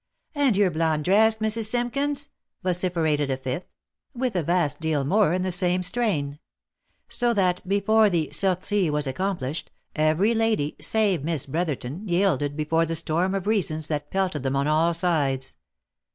"And your blonde dress, Mrs. Simpkins !" vociferated a fifth ; with a vast deal more in the same strain. So that before the sortie was accomplished, every lady, save Miss Brotherton, yielded before the storm of reasons that pelted them on all sides.